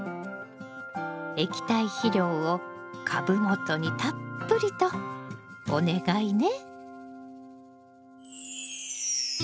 液体肥料を株元にたっぷりとお願いね。